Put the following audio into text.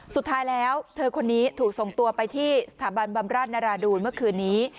สุดท้ายแล้วเธอคนนี้ถูกส่งตัวไปที่สถาบันบำราชนราดูนเมื่อคืนนี้